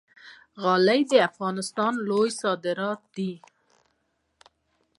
غالۍ د افغانستان لوی صادرات دي